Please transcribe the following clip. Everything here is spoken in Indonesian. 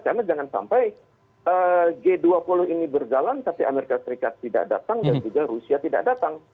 karena jangan sampai g dua puluh ini berjalan tapi amerika serikat tidak datang dan juga rusia tidak datang